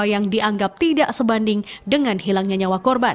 perang tersebut dianggap tidak sebanding dengan hilangnya nyawa korban